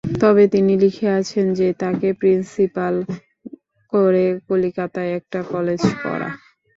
তবে তিনি লিখিয়াছেন যে, তাকে প্রিন্সিপাল করে কলিকাতায় একটা কলেজ করা।